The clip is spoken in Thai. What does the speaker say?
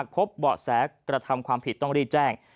พบเบาะแสกระทำความผิดต้องรีบแจ้ง